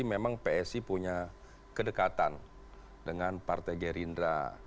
memang psi punya kedekatan dengan partai gerindra